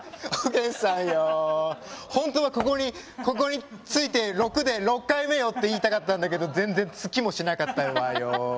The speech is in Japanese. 本当は、ここについて６で６回目よって言いたかったんだけど付きもしなかったわよー！